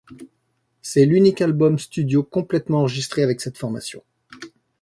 C'est l'unique album studio complètement enregistré avec cette formation.